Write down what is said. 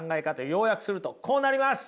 要約するとこうなります。